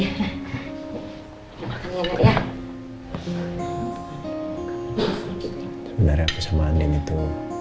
sebenarnya aku sama andien itu